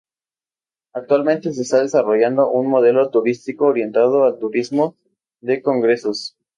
Actualmente se está desarrollando un modelo turístico orientado al turismo de congresos.